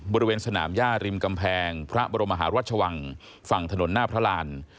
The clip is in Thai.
บริเวณสนามย่าริมกำแพงพระบรมหารัชวังฝั่งถนนหน้าพระราน